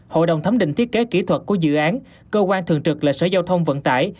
hội đồng thẩm định thiết kế kỹ thuật của dự án cơ quan thường trực là sở giao thông vận tải